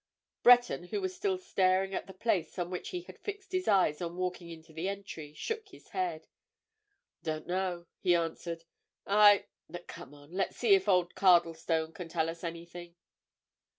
Breton, who was still staring at the place on which he had fixed his eyes on walking into the entry, shook his head. "Don't know," he answered. "I—but come on—let's see if old Cardlestone can tell us anything."